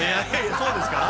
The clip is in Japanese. そうですか？